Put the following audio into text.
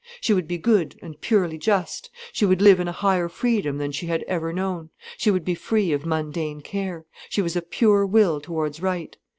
She would be good and purely just, she would live in a higher freedom than she had ever known, she would be free of mundane care, she was a pure will towards right.